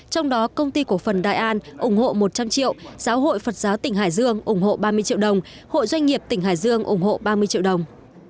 trong đó công ty cổ phần đại an ủng hộ một trăm linh triệu giáo hội phật giáo tỉnh hải dương ủng hộ ba mươi triệu đồng hội doanh nghiệp tỉnh hải dương ủng hộ ba mươi triệu đồng